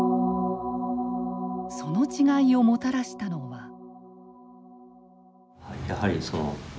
その違いをもたらしたのは。